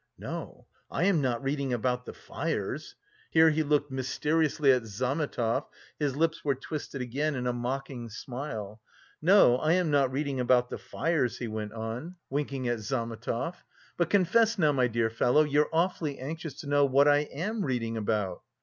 "No, I am not reading about the fires." Here he looked mysteriously at Zametov; his lips were twisted again in a mocking smile. "No, I am not reading about the fires," he went on, winking at Zametov. "But confess now, my dear fellow, you're awfully anxious to know what I am reading about?"